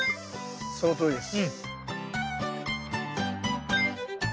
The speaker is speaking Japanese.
そのとおりです。